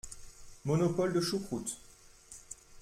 Monopole de choucroute.